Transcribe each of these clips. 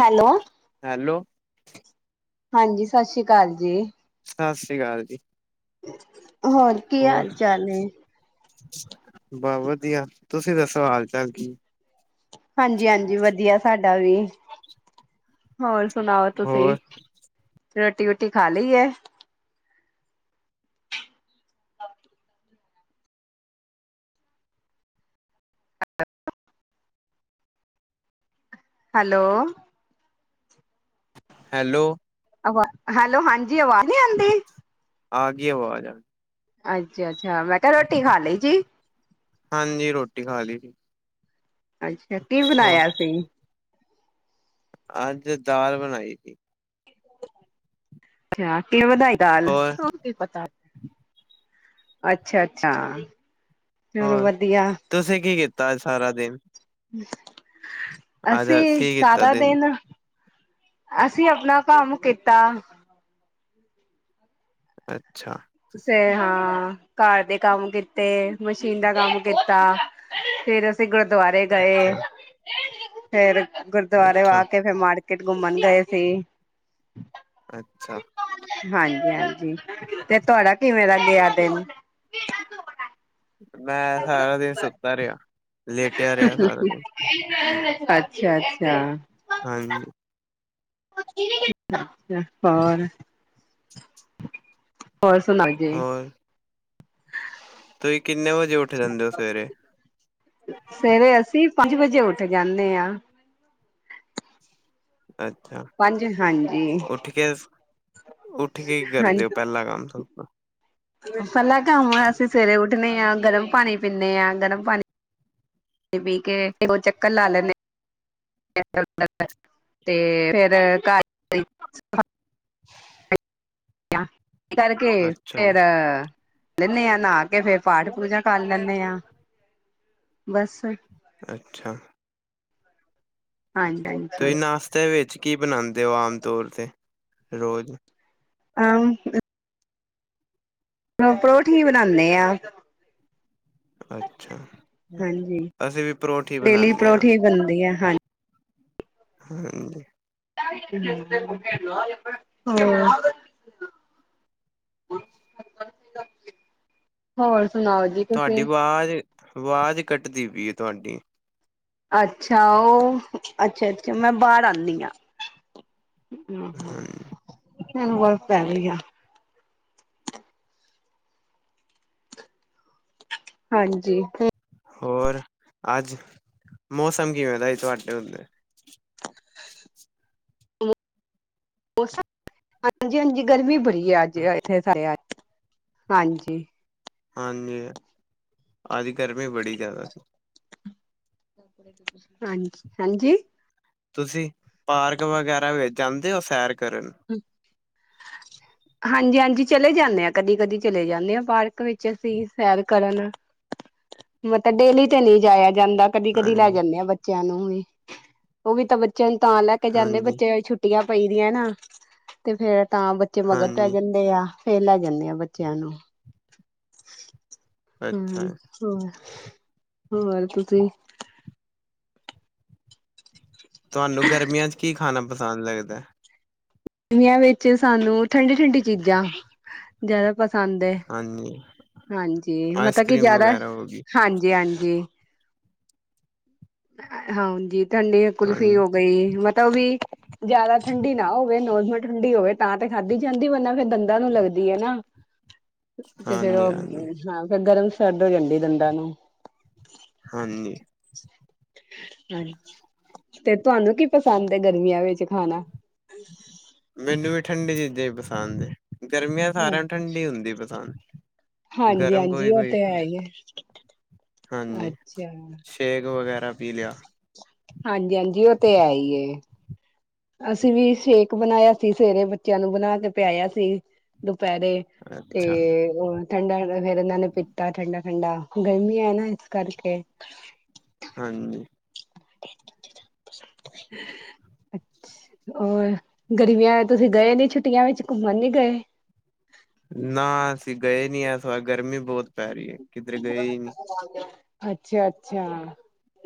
Hello. Hello. ਹਾਂਜੀ ਸਤਿ ਸ੍ਰੀ ਅਕਾਲ ਜੀ। ਸਤਿ ਸ਼੍ਰੀ ਅਕਾਲ ਜੀ। ਹੋਰ ਕੀ ਹਾਲ ਚਾਲ ਏ? ਬਸ ਵਧੀਆ ਤੁਸੀਂ ਦੱਸੋ ਹਾਲ ਚਾਲ ਕੀ? ਹਾਂਜੀ ਹਾਂਜੀ ਵਧੀਆ ਸਾਡਾ ਵੀ ਹੋਰ ਸੁਣਾਓ ਤੁਸੀਂ? ਹੋਰ ਰੋਟੀ ਰੁਟੀ ਖਾ ਲਈ ਹੈ? ਹੈਲੋ। ਹੈਲੋ। ਵਾ ਹੈਲੋ ਹਾਂਜੀ ਆਵਾਜ਼ ਨੀ ਆਉਂਦੀ? ਆ ਗਈ ਆਵਾਜ। ਅੱਛਾ, ਅੱਛਾ ਮੈਂ ਕਿਹਾ ਰੋਟੀ ਖਾ ਲਈ ਜੀ। ਹਾਂਜੀ, ਰੋਟੀ ਖਾ ਲਈ ਸੀ। ਅੱਛਾ, ਕੀ ਹੋਰ ਬਣਾਇਆ ਸੀ? ਅੱਜ ਦਾਲ ਬਣਾਈ ਤੀ। ਅੱਛਾ ਕਿ ਵਧਾਈ ਦਾਲ। ਹੋਰ ਕੀ ਪਤਾ ਨਹੀ ਅੱਛਾ-ਅੱਛਾ ਚਲੋ ਹੋਰ ਵਧੀਆ। ਤੁਸੀਂ ਕੀ ਕੀਤਾ ਸਾਰਾ ਦਿਨ? ਅੱਜ ਅਸੀਂ ਕੀ ਕੀਤਾ ਸਾਰਾ ਦਿਨ ਅਸੀਂ ਆਪਣਾ ਕੰਮ ਕੀਤਾ। ਅੱਛਾ। ਤੁੇ ਹਾਂ, ਘਰ ਦੇ ਕੰਮ ਕੀਤੇ ਮਸ਼ੀਨ ਦਾ ਕੰਮ ਕੀਤਾ। ਫੇਰ ਅਸੀਂ ਗੁਰਦੁਆਰੇ ਗਏ, ਅੱਛਾ ਫੇਰ ਗੁਰਦੁਆਰੇ ਅੱਛਾ ਆ ਕੇ ਫਰ ਮਾੜ ਘੁੰਮਣ ਗਏ ਸੀ। ਅੱਛਾ। ਹਾਂਜੀ-ਹਾਂਜੀ, ਤੇ ਤੁਹਾਡਾ ਕਿਵੇਂ ਦਾ ਗਿਆ ਦਿਨ? ਮੈਂ ਸਾਰਾ ਦਿਨ ਸੁੱਤਾ ਰਿਹਾ। ਲੇਟਿਆ ਰਿਹਾ ਸਾਰਾ ਦਿਨ ਅੱਛਾ-ਅੱਛਾ। ਹਾਂਜੀ। ਅੱਛਾ ਹੋਰ ਹੋ ਸੁਣਾਓ? ਜੀ ਹੋਰ ਤੁਸੀਂ ਕਿੰਨੇ ਵੱਜੇ ਉੱਠ ਜਾਂਦੇ ਹੋ ਸਵੇਰੇ? ਸਵੇਰੇ ਅਸੀਂ ਪੰਜ ਵਜੇ ਉੱਠ ਜਾਂਦੇ ਹਾਂ। ਅੱਛਾ ਪੰਜ ਹਾਂਜੀ ਉਠਕੇ ਉੱਠ ਕੇ ਹੀ ਕਰਦੇ ਹੋ, ਪਹਿਲਾ ਕੰਮ ਸਬ ਤੋ? ਪਹਿਲਾ ਕੰਮ ਅਸੀਂ ਸਵੇਰੇ ਉੱਠੇ ਆ, ਗਰਮ ਪਾਣੀ ਪੀਂਦੇ ਹਾਂ ਗਰਮ ਪਾਣੀ ਪੀ ਕੇ ਦੋ ਚੱਕਰ ਲਾ ਲੈਨੇ। ਤੇ ਫਿਰ ਘਰ ਕਰਕੇ ਅੱਛਾ ਫ਼ੇਰ ਜੀ ਲੈਂਦੇ ਹਾਂ ਨਹਾ ਕੇ ਫੇਰ ਪਾਠ ਪੂਜਾ ਕਰ ਲੈਂਦੇ ਆ ਬਸ ਅੱਛਾ। ਹਾਂਜੀ। ਤੁਸੀਂ ਨਾਸ਼ਤੇ ਵਿੱਚ ਕੀ ਬਣਾਉਂਦੇ ਹੋ ਆਮ ਤੌਰ 'ਤੇ ਰੋਜ਼? ਹਾ ਪਰੌਠੀ ਬਣਾਨੇ ਆ। ਅੱਛਾ, ਹਾਂਜੀ ਅਸੀਂ ਵੀ ਪਰੌਠੀ ਬਣਾਨੇ ਹਾਂ। ਬਣਦੇ ਆ ਹਾਂਜੀ। ਹਾਂਜੀ ਹੂੰ, ਹੋਰ [unintelligible] ਹੋਰ ਸੁਣਾਓ ਜੀ। ਤੁਸੀਂ ਤੁਹਾਡੀ ਆਵਾਜ਼ ਆਵਾਜ਼ ਕੱਟਦੀ ਪਈ ਹੈ ਤੁਹਾਡੀ। ਅੱਛਾ, ਉਹ ਅੱਛਾ-ਅੱਛਾ ਮੈਂ ਬਾਹਰ ਆਉਂਦੀ ਹਾਂ। ਆਹੋ, ਹਾਂਜੀ ਮੈਨੂੰ ਗਾਲਾ ਪੈਣ ਗਈ ਆ। ਹਾਂਜੀ। ਹੋਰ ਅੱਜ ਮੌਸਮ ਕਿਵੇਂ ਦਾ ਇਹ ਤੁਹਾਡੇ ਉੱਥੇ? ਮੌਸਮ ਹਾਂਜੀ-ਹਾਂਜੀ ਗਰਮੀ ਬੜੀ ਆ ਅੱਜ ਇੱਥੇ ਹਾਂਜੀ। ਹਾਂਜੀ, ਅੱਜ ਗਰਮੀ ਬੜੀ ਜ਼ਿਆਦਾ। ਹਾਂਜੀ-ਹਾਂਜੀ। ਤੁਸੀਂ ਪਾਰਕ ਵਗੈਰਾ ਵੇਚ ਜਾਂਦੇ ਹੋ ਸੈਰ ਕਰਨ। ਹ ਹ [unintelligible] ਹਾਂਜੀ-ਹਾਂਜੀ ਚਲੇ ਜਾਨੇ ਆ ਕਦੀ-ਕਦੀ ਚਲੇ ਜਾਨੇ ਆ ਪਾਰਕ ਵਿੱਚ ਅਸੀ ਸੈਰ ਕਰਨ। ਮਤ ਡੇਲੀ ਤੇ ਨੀ ਜਾਇਆ ਜਾਂਦਾ। ਕਦੀ-ਕਦੀ ਲੈ ਹਾਂਜੀ ਜਾਨੇ ਆ ਬੱਚਿਆ ਨੂੰ ਵੀ ਉਹ ਵੀ ਤਾ ਬੱਚਿਆ ਨੂੰ ਤਾ ਲੈ ਕੇ ਜਾਨੇ ਹਾਂਜੀ ਬੱਚਿਆ ਛੁੱ ਛੁੱਟੀਆ ਪਈ ਦੀਆ ਨਾ। ਤੇ ਫੇਰ ਤਾ ਬੱਚੇ ਮਗਰ ਪੈ ਹਾਂਜੀ ਜਾਂਦੇ ਆ ਫੇਰ ਲੈ ਜਾਨੇ ਆ ਬੱਚਿਆਂ ਨੂੰ। ਹਮ ਅੱਛਾ ਹਾਂ ਹੋਰ ਤੁਸੀ? ਤੁਹਾਨੂੰ ਗਰਮੀਆਂ ਚ ਕੀ ਖਾਣਾ ਪਸੰਦ ਲੱਗਦਾ? ਆਂ ਵਿੱਚ ਸਾਨੂੰ ਠੰਡੀ-ਠੰਡੀ ਚੀਜ਼ਾਂ ਜਾਦਾ ਪਸੰਦ ਹੈ ਹਾਂਜੀ ਹਾਂਜੀ ਆਈਸ ਮਤਲਬ ਕੀ ਕਰ੍ਰੀਮ ਜਾਦਾ ਵਗੈਰਾ ਹੋ ਗਈ ਹਾਂਜੀ-ਹਾਂਜੀ। ਹਾਂਜੀ ਠੰਡੀ ਕੁੁਲਫੀ ਹਾਂਜੀ ਹੋ ਗਈ ਮਤਲਬ ਵੀ ਜਾਦਾ ਠੰਡੀ ਨਾ ਹੋਵੇ ਨੋਰਮਲ ਠੰਡੀ ਹੋਵੇ ਤਾਂ ਤੇ ਖਾਧੀ ਜਾਂਦੀ ਵੰਨਾ ਫਿਰ ਦੰਦਾਂ ਨੂੰ ਲੱਗਦੀ ਹੈ ਨਾ। [inaudible] ਤੇ ਫੇਰ ਹਾਂਜੀ ਉਹ ਹਾਂਜੀ ਹਾਂ ਫਿਰ ਗਰਮ ਸਰਦ ਹੋ ਜਾਂਦੀ ਦੰਦਾਂ ਨੂੰ। ਹਾਂਜੀ। ਹਾਂਜੀ ਤੇ ਤੁਹਾਨੂੰ ਕੀ ਪਸੰਦ ਹੈ ਗਰਮੀਆ ਵਿੱਚ ਖਾਣਾ। ਮੈਨੂੰ ਵੀ ਠੰਡੀ ਚੀਜ਼ਾਂ ਹੀ ਪਸੰਦ ਹੈ। ਗਰਮੀਆ ਸਾਰਿਆ ਨੂੰ ਠੰਡੀ ਹੁੰਦੀ ਪਸੰਦ। ਹਾਂਜੀ ਗਰਮ ਹਾਂਜੀ ਉਹ ਕੋਈ-ਕੋਈ ਤੇ ਖਾ ਹੈ ਹੀ ਹੈ ਹਾਂਜੀ, ਅੱਛਾ ਸ਼ੇਕ ਵਗੈਰਾ ਪੀ ਲਿਆ। ਹਾਂਜੀ-ਹਾਂਜੀ ਉਹ ਤੇ ਐ ਈ ਏ। ਅਸੀ ਵੀ ਸ਼ੇਕ ਬਣਾਇਆ ਸੀ ਸਵੇਰੇ ਬੱਚਿਆ ਨੂੰ ਬਣਾ ਕੇ ਪਿਆਇਆ ਸੀ। ਦੁਪਹਿਰੇ ਤੇ ਅੱਛਾ ਉਹ ਠੰਡਾ ਫੇਰ ਇਹਨਾਂ ਨੇ ਪੀਤਾ ਠੰਡਾ-ਠੰਡਾ ਗਰਮੀ ਹੈ ਨਾ ਇਸ ਕਰਕੇ। ਹਾਂਜੀ। [inaudible] ਅੱਛ ਹੋਰ ਗਰਮੀਆ ਤੁਸੀ ਗਏ ਨੀ ਛੁੱਟੀਆ ਵਿੱਚ ਘੁੰਮਣ ਨੀ ਗਏ। ਨਾ ਅਸੀ ਗਏ ਨਹੀ ਇਸ ਵਾਰ ਗਰਮੀ ਬਹੁਤ ਪੈ ਰਹੀ ਹੈ। ਕਿੱਧਰ ਗਏ ਹੀ ਨੀ ਅੱਛਾ-ਅੱਛਾ।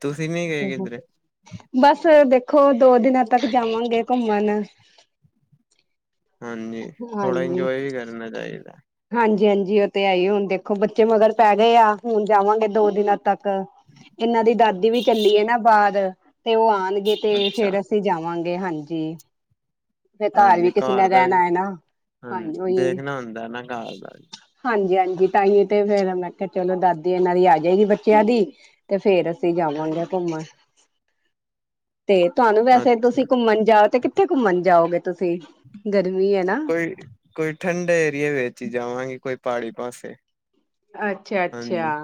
ਤੁਸੀਂ ਨੀ ਗਏ ਕਿੱਧਰੇ। ਬਸ ਦੇਖੋ ਦੋ ਦਿਨਾ ਤੱਕ ਜਾਵਾਂਗੇ ਘੁੰਮਣ। ਹਾਂਜੀ ਥੋੜਾ ਇੰਜੋਏ ਵੀ ਕਰਨਾ ਚਾਹੀਦਾ। ਹਾਂਜੀ-ਹਾਂਜੀ ਉਹ ਤੇ ਹੈ ਹੀ ਏ ਹੁਣ ਦੇਖੋ ਬੱਚੇ ਮਗਰ ਪੈ ਗਏ ਆ ਹੁਣ ਜਾਵਾਂਗੇ ਦੋ ਦਿਨਾ ਤੱਕ। ਇਹਨਾਂ ਦੀ ਦਾਦੀ ਵੀ ਚੱਲੀ ਹੈ ਨਾ ਬਾਅਦ ਤੇ ਉਹ ਆ ਨ ਗੇ ਤੇ ਅੱਛਾ ਫੇਰ ਅਸੀ ਜਾਵਾਂਗੇ ਹਾਂਜੀ। ਫਿਰ ਘਰ ਵੀ ਹਾਂਜੀ ਕਿਸੇ ਨੇ ਦਾ ਵੀ ਰਹਿਣਾ ਹੈ ਨਾ ਹਾਂਜੀ ਉਹੀ। ਦੇਖਣਾ ਹੁੰਦਾ ਨਾ ਘਰ ਦਾ ਵੀ ਹਾਂਜੀ-ਹਾਂਜੀ ਤਾਂ ਹੀ ਤੇ ਫੇਰ ਮੈਂ ਕਿਹਾ ਚਲੋ ਦਾਦੀ ਇਹਨਾਂ ਦੀ ਆ ਜਾਏਗੀ ਬੱਚਿਆ ਦੀ। ਤੇ ਫੇਰ ਅਸੀ ਜਾਵਾਂਗੇ ਘੁੰਮਣ। ਤੇ ਤੁਹਾਨੂੰ ਵੈਸੇ ਅੱਛਾ ਤੁਸੀ ਘੁੰਮਣ ਜਾਓ ਤੇ ਕਿੱਥੇ ਘੁੰਮਣ ਜਾਓਗੇ ਤੁਸੀ ਗਰਮੀ ਹੈ ਨਾ ਕੋਈ-ਕੋਈ ਠੰਡ ਏਰੀਏ ਵਿੱਚ ਹੀ ਜਾਵਾਂਗੇ ਕੋਈ ਪਹਾੜੀ ਪਾਸੇ। ਅੱਛਾ-ਅੱਛਾ ਹਾਂਜੀ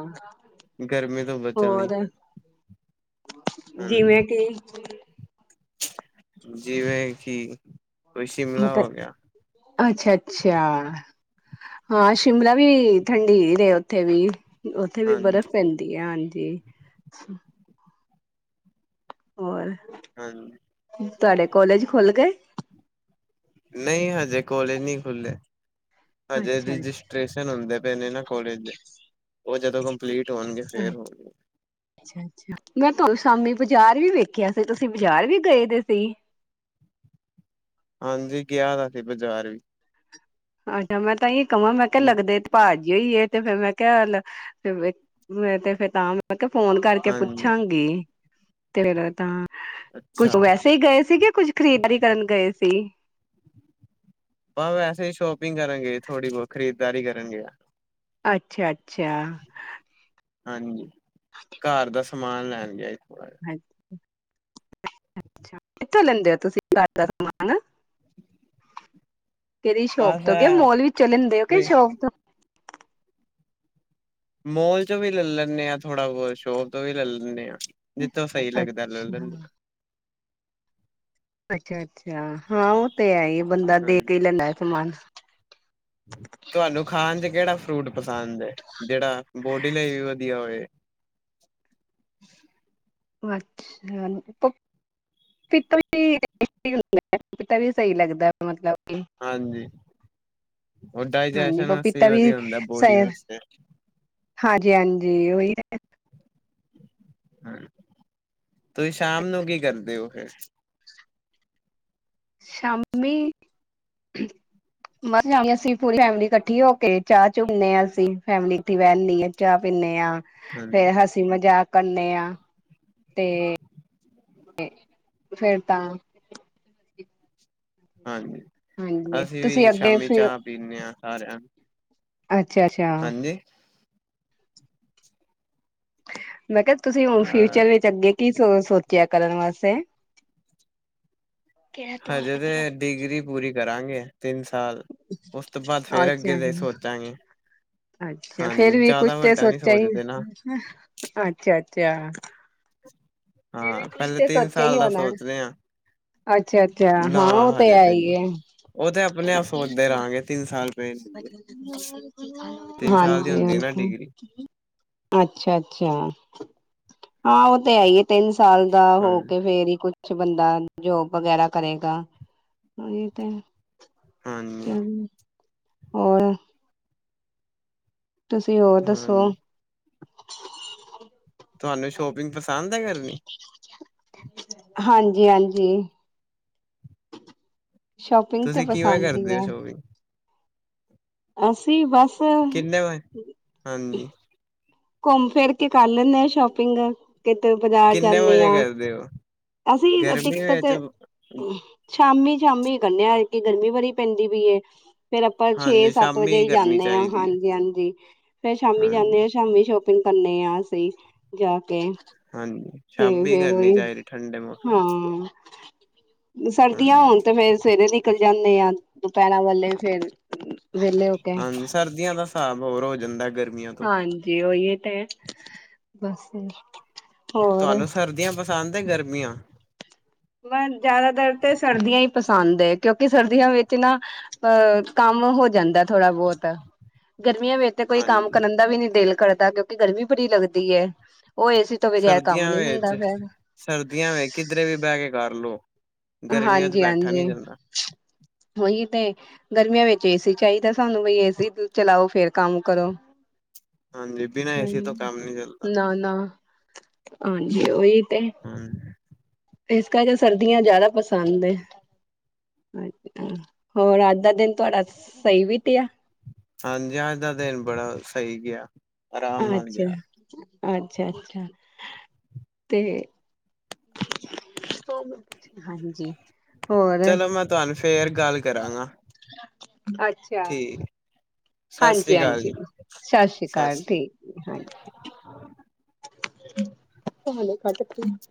ਗਰਮੀ ਤੋਂ ਬਚਣ ਲਈ ਹੋਰ। ਹਾਂਜੀ ਜਿਵੇਂ ਕਿ ਜਿਵੇਂ ਕੀ ਤੇ ਅੱਛਾ-ਅੱਛਾ। ਹਾਂ ਸ਼ਿਮਲਾ ਵੀ ਠੰਡੀ ਰੇ ਓਥੇ ਵੀ। ਓਥੇ ਵੀ ਬਰਫ਼ ਹਾਂਜੀ ਪੈਂਦੀ ਐ। ਹਾਂਜੀ। ਹੋਰ? ਹਾਂ, ਲੋ। ਤੁਆਡੇ ਕੋਲਜ ਖੁੱਲ ਗਏ। ਨਈ ਹਜੇ ਕੋਲਜ ਨਈ ਖੁੱਲੇ। ਹਜੇ ਅੱਛਾ ਅੱਛਾ ਰਜਿਸਟ੍ਰੇਸ਼ਨ ਹੁੰਦੇ ਪਏ ਨੇ ਨਾ। ਕੋਲਜ ਦੇ, ਓ ਜਦੋਂ ਕੰਪਲੀਟ ਹੋਣਗੇ ਫੇਰ ਹੋਣਗੇ। ਅੱਛਾ ਮੈਂ ਤਾਨੂੰ ਸ਼ਾਮੀ ਬਾਜ਼ਾਰ ਵੀ ਵੇਖਿਆ ਸੀ। ਤੁਸੀਂ ਬਾਜ਼ਾਰ ਵੀ ਗਏ ਦੇ ਸੀ। ਹਾਂਜੀ ਗਿਆ ਦਾ ਸੀ ਬਜ਼ਾਰ ਵੀ। ਅੱਛਾ ਮੈਂ ਤਾਂਈ ਕਵਾਂ ਮੈਂ ਕਿਆ ਵੀ ਲੱਗਦੇ ਤੇ- ਭਾਜੀ ਹੋਈ ਤੇ ਫੇਰ ਮੈਂ ਕਿਹਾ, ਹਾਲ ਤੇ ਫੇਰ ਤਾਂ। ਮੈਂ ਕਿਹਾ ਫੋਨ ਕਰਕੇ ਹਾਂਜੀ ਪੁੱਛਾਂਗੀ ਤੇ ਤਾਂ। ਕੁਛ ਅੱਛਾ ਵੈਸੇ ਹੀ ਗਏ ਸੀਗੇ, ਕੁੱਝ ਖਰੀਦਾਰੀ ਕਰਨ ਗਏ ਸੀ। ਭਾਂ ਵੈਸੇ ਹੀ ਸ਼ੋਪਿੰਗ ਕਰਨਗੇ ਥੋੜੀ ਬਹੁਤ ਖਰੀਦਾਰੀ ਕਰਨਗੇ। ਅੱਛਾ- ਅੱਛਾ। ਹਾਂਜੀ, ਘਰ ਦਾ ਸਮਾਨ ਲੈਣ ਗਏ ਥੋੜਾ ਜਿਹਾ। ਕਿੱਥੋਂ ਲੈਂਦੇ ਹੋ ਤੁਸੀਂ, ਘਰ ਦਾ ਸਮਾਨ? ਕਿਹਦੀ ਜਿਹਾ ਸ਼ੋਪ ਬਸ ਤੋਂ? ਕ ਐ ਮੋਲ ਵੀਚੋ ਲੇਦੇ ਹੋ ਕਿ ਸ਼ੋਪ? ਮੋਲ ਚੋਂ ਵੀ ਲੈ ਲੈਂਦੇ ਹਾਂ। ਥੋੜਾ ਬਹੁਤ ਸ਼ੋਪ ਤੋਂ ਵੀ ਲੈ ਲੈਂਦੇ ਹਾਂ। ਜਿੱਥੋਂ ਸਹੀ ਲੱਗਦਾ ਲੈ ਅੱਛਾ ਲੈਂਦੇ ਹਾਂ। ਅੱਛਾ- ਅੱਛਾ ਹਾਂ ਉਹ ਤੇ ਹੈ ਹੀ, ਬੰਦਾ ਦੇ ਹਾਂਜੀ ਕੇ ਹੀ ਲੈਂਦਾ ਸਮਾਨ। ਤੁਹਾਨੂੰ ਖਾਣ ਚ ਕਿਹੜਾ ਫਰੂਟ ਪਸੰਦ ਹੈ, ਜਿਹੜਾ ਬੋਡੀ ਲਈ ਵੀ ਵਧੀਆ ਹੋਏ। ਅੱਛਾ। ਪਿਤਾ, ਪਿਤਾ ਵੀ ਸਹੀ ਲੱਗਦਾ ਪਪੀਤਾ ਵੀ ਸਹੀ ਲੱਗਦਾ ਮਤਲਬ। ਕਿ ਹਾਂਜੀ, ਹੋਰ ਹਾਂਜੀ ਡਾਇਜੈਸ਼ਨ ਵਾਸਤੇ ਪਪੀਤਾ ਵੀ ਵਧੀਆ ਹੁੰਦਾ, ਬੋਡੀ ਵਾਸਤੇ। ਹਾਂਜੀ- ਹਾਂਜੀ ਉਹੀ ਹੈ। ਹੂੰ, ਤੁਸੀਂ ਸ਼ਾਮ ਨੂੰ ਕੀ ਕਰਦੇ ਹੋ ਫੇਰ? ਸ਼ਾਮੀ ਮ ਜਾਣੀ ਆ ਸੀ। ਪੂਰੀ ਫੈਮਿਲੀ ਇਕੱਠੀ ਹੋ ਕੇ, ਚਾਹ- ਚੂ ਪੀਨੇ ਆ ਅਸੀ। ਫੈਮਿਲੀ ਇੱਥੇ ਵਹਿਨੇ ਆ ਚਾਹ ਪੀਂਦੇ ਹਾਂ। ਹਾਂਜੀ ਫੇਰ ਹੱਸ ਹਸੀਂ- ਮਜ਼ਾਕ ਕਰਨੇ ਹਾਂ ਤੇ, ਫੇਰ ਤਾਂ। ਹਾਂਜੀ, ਹਾਂਜੀ ਅਸੀਂ ਤੁਸੀਂ ਵੀ ਅੱਗੇ ਸ਼ਾਮੀ ਫਿਰ ਚਾਹ ਪੀਂਦੇ ਹਾਂ, ਸਾਰਿਆਂ ਨੂੰ ਅੱਛਾ- ਅੱਛਾ। ਹਾਂਜੀ ਮੈਂ ਕਿਹਾ ਤੁਸੀਂ ਹੁਣ ਫਿਊਚਰ ਅ ਵਿਚ, ਅੱਗੇ ਕੀ ਸੋ ਸੋਚਿਆ ਕਰਨ ਵਾਸਤੇ। ਹਜੇ ਤੇ ਡਿਗਰੀ ਪੂਰੀ ਕਰਾਂਗੇ। ਤਿੰਨ ਸਾਲ, ਉਸ ਤੋਂ ਬਾਅਦ ਫੇਰ ਅੱਛਾ ਅੱਗੇ ਸੋਚਾਂਗੇ। ਅੱਛਾ, ਫੇਰ ਹਾਂਜੀ ਵੀ ਕੁਛ ਜ਼ਿਆਦਾ ਤੇ ਵੱਡਾ ਨੀ ਸੋਚਿਆ ਹੀ, ਸੋਚਦੇ ਨਾ ਅੱਛਾ- ਅੱਛਾ। ਹਾਂ, ਪਹਿਲੇ ਤਿੰਨ ਸੋਚਿਆ ਹੀ ਸਾਲ ਦਾ ਹੋਣਾ ਸੋਚ ਰਹੇ ਹਾਂ। ਅੱਛਾ-ਅੱਛਾ ਨਾ ਹਾਂ ਉਹ ਤੇ ਹਜੇ ਹੈ ਤਾਂ ਨਹੀ। ਹੀ ਹੈ ਉਹ ਤੇ ਆਪਣੇ ਆਪ ਸੋਚਦੇ ਰਹਾਂਗੇ ਤਿੰਨ ਸਾਲ। ਪਏ ਤਿੰਨ ਸਾਲ ਦੀ ਹਾਂਜੀ ਹੁੰਦੀ ਹੈ ਨਾ ਬਿਲਕੂਲ। ਡਿਗਰੀ ਅੱਛਾ- ਅੱਛਾ, ਹਾਂ ਉਹ ਤੇ ਹੈ ਹੀ ਹੈ। ਤਿੰਨ ਸਾਲ ਦਾ ਹਾਂ ਹੋ ਕੇ ਫੇਰ ਹੀ ਕੁਛ ਕੁਛ ਬੰਦਾ ਜੋਬ ਵਗੈਰਾ ਕਰੇਗਾ। ੳਹੀ ਤੇ ਹੂੰ। ਚਲ ਹੋਰ? ਤੁਸੀਂ ਹੋਰ ਦੱਸੋ? ਹਾਂਜੀ ਤੁਹਾਨੂੰ ਸ਼ੋਪਿੰਗ ਪਸੰਦ ਏ ਕਰਨੀ? ਹਾਂਜੀ- ਹਾਂਜੀ। ਸ਼ੋਪਿੰਗ ਤੇ ਤੁਸੀਂ ਕਿਵੇਂ ਪਸੰਦ ਹੀ ਕਰਦੇ ਹੋ ਹੈ। ਸ਼ੋਪਿੰਗ ਅਸੀਂ ਬਸ। ਕਿੰਨੇ ਵਜ ਹਾਂਜੀ। ਘੋਮ ਫੇਰ ਕੇ ਕਰ ਲੈਂਨੇ ਆ ਸ਼ੋਪਿੰਗ। ਕਿਤੇ ਬਜ਼ਾਰ ਕਿੰਨੇ ਜਾਂਨੇ ਵਜੇ ਆਂ, ਕਰਦੇ ਹੋ ਅਸੀਂ ਅ ਗਰਮੀ ਦਿੱਕਤ ਵਿੱਚ ਤੇ ਸ਼ਾਮੀ-ਸ਼ਾਮੀ ਗਨੇ ਆ, ਏਕ ਤੇ ਗਰਮੀ ਬੜੀ ਪੈਂਦੀ ਪਈ ਏ। ਫੇਰ ਆਪਾਂ ਹਾਂਜੀ ਛੇ-ਸੱਤ ਵਜੇ ਸ਼ਾਮੀ ਈ ਕਰਨੀ ਜਾਂਨੇ ਆਂ, ਚਾਹੀਦੀ ਹੈ ਹਾਂਜੀ-ਹਾਂਜੀ ਫੇਰ ਸ਼ਾਮੀ ਜਾਂਨੇ ਹਾਂਜੀ ਆ ਸ਼ਾਮੀ ਸ਼ੋਪਿੰਗ ਕਨ ਆ ਅਸੀ, ਜਾ ਕੇ। ਹਾਂਜੀ ਤੇ ਸ਼ਾਮੀ ਫੇਰ ਕਰਨੀ ਓਈਓ, ਚਾਹੀਦੀ ਠੰਡੇ ਮੌਸਮ ਹਾਂ। ਜੇ ਸਰਦੀਆਂ ਹਾਂਜੀ ਹੋਨ ਤੇ ਫੇਰ ਸਵੇਰੇ ਨਿਕਲ ਜਾਂਨੇ ਆਂ, ਦੁਪੈਰਾ ਵਾਲੇ ਫੇਰ ਵਿਹਲੇ ਹੋ ਕੇ ਹਾਂਜੀ, ਸਰਦੀਆਂ ਦਾ ਸ੍ਹਾਬ ਹੋਰ ਹੋ ਜਾਂਦੈ ਗਰਮੀ ਹਾਂਜੀ, ਓਈ ਏ ਤੇ, ਬਸ ਫੇਰ। ਤੁਆਨੂੰ ਸਰਦੀਆਂ ਪਸੰਦ ਏ ਗਰਮੀਆਂ? ਮੈਂਨ ਜਾਦਾਤਰ ਤੇ ਸਰਦੀਆਂ ਈ ਪਸੰਦ ਏ, ਕੇਓਕੇ ਸਰਦੀਆਂ ਵੇੱਚ ਨਾ ਅ ਕਾੰਮ ਹੋ ਜਾਂਦਾ ਥੋੜਾ ਬੋਤ, ਗਰਮੀਆਂ ਵੇਚ ਤੇ ਕੋਈ ਕੰਮ ਹਾਂਜੀ ਕਰਨ ਦਾ ਵੀ ਨੀ ਦੇਲ ਕਰਦਾ ਕੇਓ ਗਰਮੀ ਬੜੀ ਲੱਗਦੀ ਏ, ਓਹ ਏਸੀ ਤੋਂ ਬਗੈਰ ਕੰਮ ਸਰਦੀਆਂ ਨੀ ਹੁੰਦਾ ਵੇਚ, ਫਿਰ ਸਰਦੀਆਂ ਵੇ ਕਿਦਰੇ ਵੀ ਬੈਹ ਕੇ ਕਾਰ ਲੋ। ਗਰਮੀਆਂ ਚ ਬੈਠਾ ਨੀ ਜਾਂਦਾ। ਓਈ ਤੇ। ਗਰਮੀਆਂ ਵਿੱਚ ਏਸੀ ਚਾਈਦਾ ਸਾਨੂੰ ਵਈ ਏਸੀ ਅ, ਚਲਾਓ ਫੇਰ ਕਾੰਮ ਕਰੋ। ਹਾਂਜੀ ਬਿਨਾਂ ਏਸੀ ਤੋਂ ਕੰਮ ਨੀ ਚੱਲਦਾ ਨਾ-ਨਾ, ਹਾਂਜੀ ਓਈ ਤੇ। ਹਾਂ। ਏਸ ਕਰਕੇ ਸਰਦੀਆਂ ਜਾਦਾ ਪਸੰਦ ਏ। ਅੱਛਾ। ਹੋਰ ਆੱਜ ਦਾ ਦੇਨ ਤੁਆਡਾ ਸਈ ਬੀਤੇਆ? ਹਾਂਜੀ, ਆੱਜ ਦਾ ਦੇਨ ਬੜਾ ਸਈ ਗੇਆ। ਅੱਛਾ, ਅੱਛਾ, ਅੱਛਾ ਤੇ ਹਾਂਜੀ।, ਹੋਰ? ਚਲੋ ਮੈਂ ਤੁਹਾਨੂੰ ਫੇਰ ਗਾੱਲ ਕਰਾਂਗਾ। ਅੱਛਾ। ਠੀਕ ਸਤਿ ਸ੍ਰੀ ਅਕਾਲ ਹਾਂਜੀ-ਹਾਂਜੀ, ਜੀ ਸਾਸੀ ਸਤਿ ਕਾਲ ਸ੍ਰੀ ਠੀਕ ਏ, ਹਾਂਜੀ। [unintelligible]